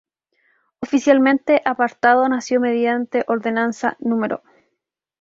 Oficialmente, Apartadó nació mediante ordenanza No.